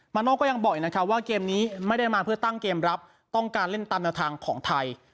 โน่ก็ยังบอกอีกนะครับว่าเกมนี้ไม่ได้มาเพื่อตั้งเกมรับต้องการเล่นตามแนวทางของไทย